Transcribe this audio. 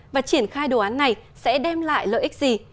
và triển khai đồ án này sẽ đem lại lợi ích gì